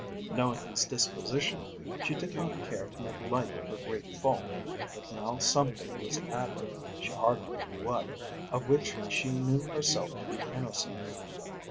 Knowing his disposition, she did not care to make light of her great fault, but now something was added, she hardly knew what, of which she knew herself to be innocent.